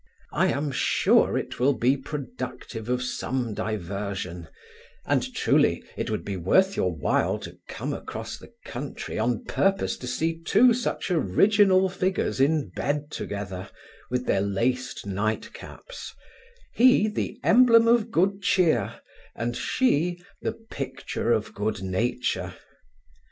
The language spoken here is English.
I am sure it will be productive of some diversion; and, truly, it would be worth your while to come across the country on purpose to see two such original figures in bed together, with their laced night caps; he, the emblem of good cheer, and she, the picture of good nature.